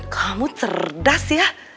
kamu cerdas ya